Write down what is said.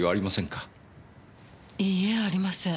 いいえありません。